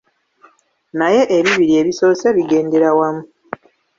Naye ebibiri ebisoose bigendera wamu.